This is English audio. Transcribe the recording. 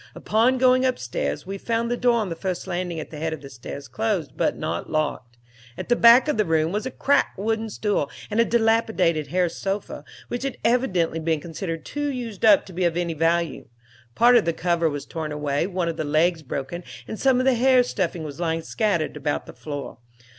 Upon going upstairs we found the door on the first landing at the head of the stairs closed, but not locked. At the back of the room was a cracked wooden stool and a dilapidated hair sofa, which had evidently been considered too used up to be of any value. Part of the cover was torn away, one of the legs was broken, and some of the hair stuffing was lying scattered about the floor.